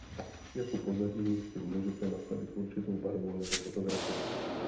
Jako pozadí si můžete nastavit určitou barvu nebo fotografii.